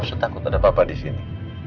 roset aku takut ada papa disini